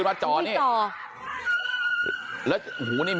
นู้น